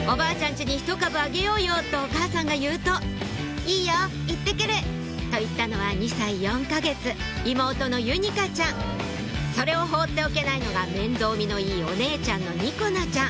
家にひと株あげようよ」とお母さんが言うと「いいよ行って来る」と言ったのは２歳４か月妹のゆにかちゃんそれを放っておけないのが面倒見のいいお姉ちゃんのにこなちゃん